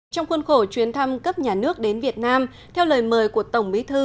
trong khuôn khổ chuyến thăm cấp nhà nước đến việt nam theo lời mời của tổng bí thư